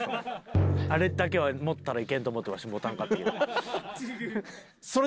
あれだけは持ったらいけんと思ってわし持たんかったけど。